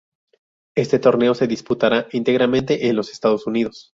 Este torneo se disputará íntegramente en los Estados Unidos.